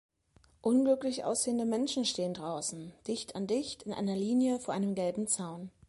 Unglücklich aussehende Menschen stehen draußen, dicht an dicht in einer Linie vor einem gelben Zaun.